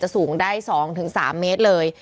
สูงได้๒๓เมตรเลย